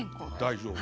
大丈夫。